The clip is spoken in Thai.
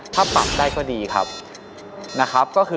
ถ้าปรับได้ก็ดีครับ